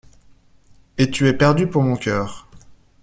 Et tu es perdu pour mon cœur.